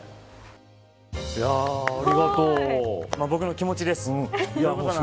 僕の気持ちです。